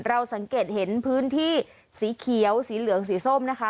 เราสังเกตเห็นพื้นที่สีเขียวสีเหลืองสีส้มนะคะ